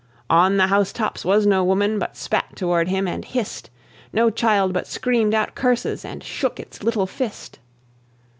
On the house tops was no woman But spat toward him and hissed, No child but screamed out curses, And shook its little fist.